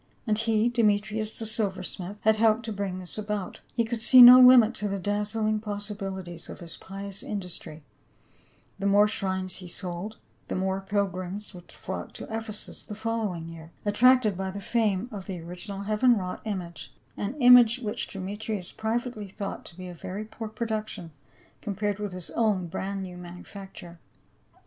And he, Demetrius, the silver smith, had helped to bring this about ; he could see no limit to the dazzling possibilities of his pious industry ; the more shrines he sold, the more pilgrims would flock to Ephesus the following year, attracted by the fame of the original heaven wrought image — an image which Demetrius privately thought to be a very poor production com pared with his own brand new manufacture.